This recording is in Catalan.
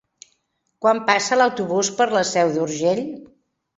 Quan passa l'autobús per la Seu d'Urgell?